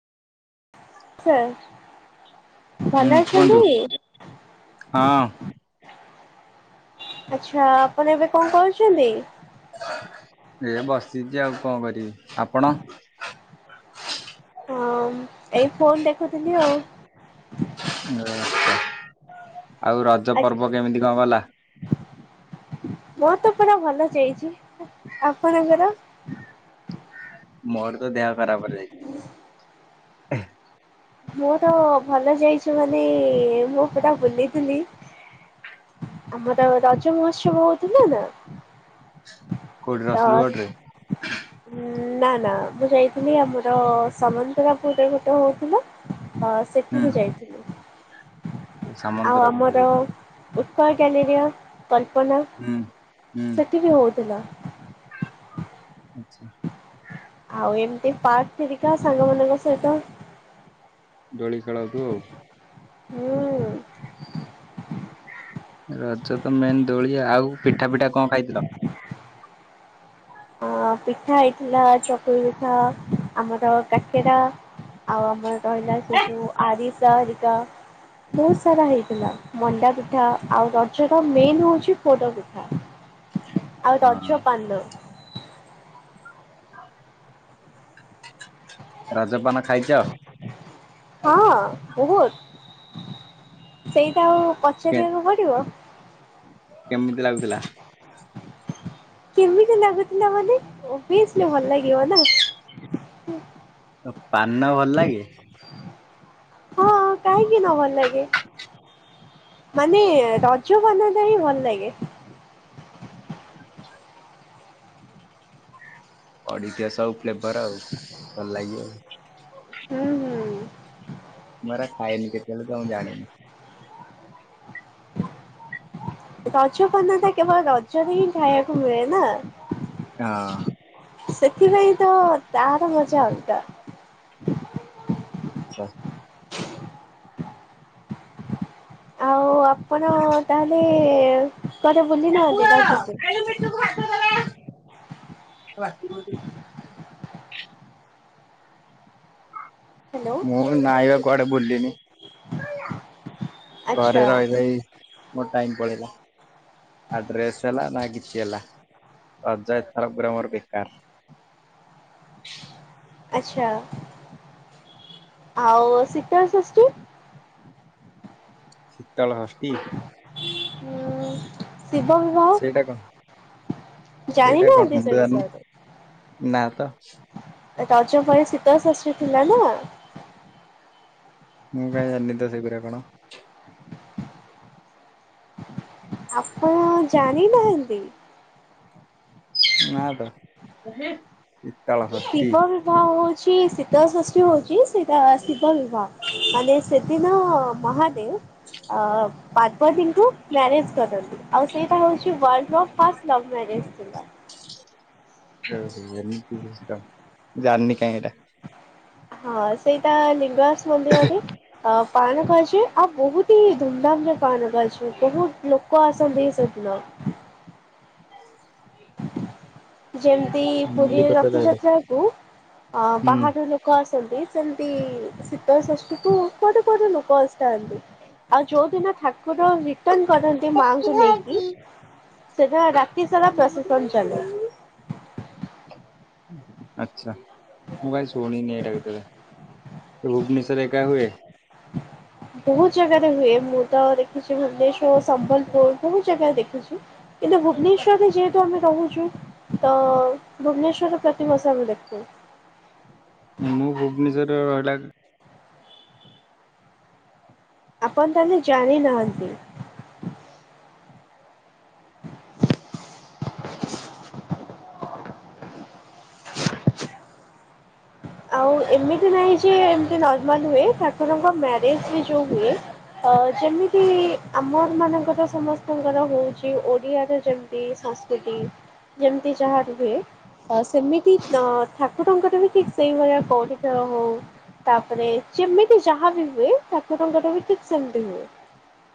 Sir. ହୁଁ ଭଲ କୁହନ୍ତୁ। ଅଛନ୍ତି? ହଁ ଆଛା ଆପଣ ଏବେ କଣ କରୁଛନ୍ତି? ସିଯା ଆଉ କଣ କରିବି ଆପଣ? ହଁ ଏଇ ଫୋନ୍ ଦେଖୁଥିଲି ଆଉ ଓହୋ। ଆଉ ରଜ ଆଚ୍ଛା ପର୍ବ କେମିତି କଣ ଗଲା? ମୋର ତ ପୁରା ଭଲ ଯାଇଛି, ଆପଣଙ୍କର? ମୋର ତ ଦେହ ଖରାପ ରେ ଯାଇଛି। ମୋର ଭଲ ଯାଇଛି ମାନେ ମୁଁ ପୁରା ବୁଲିଥିଲି। ଆମର ରଜ ମହୋତ୍ସବ ହଉଥିଲା ନା କୋଉଠି ତ ରସୁଲ୍-ଗଡ୍‌ରେ? ନା ନା ମୁଁ ଯାଇଥିଲି ଆମର ସାମନ୍ତରାପୁରରେ ଗୋଟେ ହଉଥିଲା। ହଁ ହୁଁ। ସେଠିକି ଯାଇଥିଲି। ଆଉ ସାମନ୍ତରା ଆମର ଯାଇଥିଲ। ଉତ୍କଳ କ୍ୟାଲେରିୟମ୍ କଳ୍ପନା ହୁଁ ହୁଁ। ସେଠି ବି ହଉଥିଲା। ଆଚ୍ଛା। ଆଉ ଏମିତି ପଟ ରିକା ସାଙ୍ଗମାନାନଙ୍କ ସହିତ ଦୋଳି ଖେଳ ହଉଥିବ ଆଉ। ହୁଁ। ରଜ ତ ମେନ୍ ଦୋଳି ଆଉ ପିଠା ପିଠା କଣ ଖାଇଥିଲ? ଅ ପିଠା ହେଇଥିଲା ଚକୁଳି ପିଠା ଆମର କାକେରା ଆଉ ଆମର କହିଲା ସେ ଯୋଉ ଆରିଶାରିକା ବହୁତ ସାରା ହେଇଥିଲା ମଣ୍ଡା ପିଠା ଆଉ ରଜର ମେନ ହଉଛି ପୋଡ ପିଠା। ଆଉ ହଁ ରଜ ପାନ। ରଜପାନ ଖାଇଛ? ହଁ ବହୁତ ସେଇଟା ଆଉ କେ ପଚାରିବାକୁ ପଡିବ? କେମିତି ଲାଗୁଥିଲା? କେମିତି ଲାଗୁଥିଲା ମାନେ ବସିଲେ ଭଲ ଲାଗିବ ନା। ଓ ପାନ ଭଲ ଲାଗେ? କାଇ କିି ନ ଭଲ ଲାଗେ। ମାନେ ରଜ ପାନ ଟା ହିଁ ଭଲ ଲାଗେ। [inaudible] ଅଡିିକ ସବୁ ପ୍ଲେବର ଆଉ ଭଲ ଲାଗିବ ଆଉ। ହୁଁ ହୁଁ। ମରା ଖାଇନି କେତେଲ କେ ହଁ ଜାଣିନି। ରଜପାନ କେବଳ ରଜରେ ହିଁ ଖାଇବାକୁ ମିଳେ ନା। ହଁ। ସେଥିପାଇଁ ତାର ମଜା ଅଲଗା। ଆଚଛା। ଆଉ ଆପଣ ତାହେଲେ କୁଆଡେ ବୁଲି ନାହାନ୍ତି ରଜରେ? ମୁଁ [inaudible] ହ୍ୟାଲୋ ମୁଁ ନାଇବା କୁଆଡେ ବୁଲିିନି। ଘରେ ଆଚ୍ଛା ରହି ରହି ମୋ ଟାଇମ ପଳେଇିଲା। ଆ ଡ୍ରେସ୍ ହେଲା ନା କିଛି ହେଲା। ରଜ ଏଥର ପୁରା ମୋର ବେକାର। [inaudible] ଆଛା ଆଉ ଶୀତଳ ଷଷ୍ଠୀ? ଶୀତଳ ଷଷ୍ଠୀ? ଉଁ ଶିବ ବିିବାହ? ସେଇଟା କଣ ଜାଣି ସେଇଟା କଣ ନାନ୍ତି ମୁଁ ତ ସେ ବିଷୟ ଜାଣିନି ରେ? ନା ତ ରଜ ପରେ ଶୀତଳ ଷଷ୍ଠୀ ଥିଲା ନା। ମୁଁ କାଇ ଜନ ତ ସେଇ ପରା କଣ। ଆପଣ ଜାଣିନାହାନ୍ତି? ନା ତ। ଶୀତଳ ଷଷ୍ଠୀ ଶିବ ବିବାହ ହଉଛି ଶୀତ ଷଷ୍ଠୀ ହଉଛି ଶିବ ବିିବାହ ସେଦିନ ମହାଦେବ ପାର୍ବତୀଙ୍କୁ ମ୍ୟାରେଜ କରନ୍ତିୁ ଆଉ ସେଇଟା ହଉଛି ଫଷ୍ଟ ଲଭ୍ ମାରେଜ। [unintelligible] ଏମିତି ଜାଣିନି କାଇ ଏଇଟା। ହଁ ସେଇଟା ଲିଙ୍ଗରାଜ ମନ୍ଦିରରେ ଅ ପାଳନ କଛି ଆଉ ବହୁତ ହି ଧୁମଧାମରେ ପାଳନ କରା ଯାଏ ବହୁତ ଲୋକ ଆସନ୍ତି ସେଦିନ। [inaudible] ଯେମିତି ପୁରୀ ଏମିତି କଥା ତାହେଲେ ରଥଯାତ୍ରାକୁ ଅ ହୁଁ ବାହହାର ଲୋକ ଅଛନ୍ତି ସେମତି ଶୀତଲ ସଷ୍ଠୀ କୁ କୁଆଡୁ କୁଆଡୁ ଲୋକ ଆସିଥାନ୍ତି ଆଉ ଯୋଉ ଦିନ ପର ରିଟର୍ଣ କରନ୍ତି ମାଙ୍କୁ ନେଇକି ସେଟା ରାତି ସାରା ପ୍ରଶସନ ଚାଲେ। ଆଚଛା ମୁଁ କାଇ ଶୁଣି ନେଇଡାକ କେବେ। ଭୁବନେଶ୍ୱରରେ ଏକା ହୁଏ? [unintelligible] ବହୁତ ଜାଗାରେ ହୁଏ ମୁଁ ତ ଦେଖିଛି ଭୁବନେଶ୍ୱର ସମ୍ବଲପୁର ବହୁତ ଜାଗାରେ ଦେଖିଛିୁ। କିନ୍ତୁ ଭୁବନେଶ୍ୱରରେ ଯେହେତୁ ଆମେ ରହୁଛିୁ ତ ଭୁବନେଶ୍ଵର ପ୍ରତିିବର୍ଷ ଆମେ ଦେଖୁ। ମୁଁ ଭୁବନେଶ୍ୱର ରେ ରହିଲା ଆପଣ ତାହେଲେ ଜାଣିନାହାନ୍ତି। [unintelligible] ଆଉ ଏମିତି ନାହିଁ ଯେ ଏମତି ନର୍ମାଲି ହୁଏ ଠାକୁରଙ୍କ ମ୍ୟାରେଜ ରେ ଯୋଉ ହୁଏ ଅ ଯେମିତି ଆମର ମାନଙ୍କର ସମସ୍ତଙ୍କର ହଉଛି ଓଡିଆରେ ଯେମତି ସଂସ୍କୃତି ଯେମତି ଯାହା ରୁହେ ସେମିତି ଅ ଠାକୁରଙ୍କର ବି ଠିକ ସେଇଭଳିଆ କଉଡ଼ି ଖେଳ ହଉ ତାପରେ ଯେମିତି ଯାହା ବିି ହୁଏ ଠାକୁରଙ୍କର ବି ଠିକ ସେ [unintelligible] ହୁଏ।